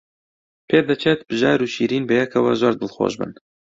پێدەچێت بژار و شیرین بەیەکەوە زۆر دڵخۆش بن.